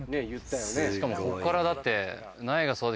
しかもこっからだって。